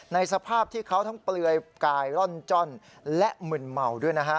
สภาพที่เขาทั้งเปลือยกายร่อนจ้อนและมึนเมาด้วยนะฮะ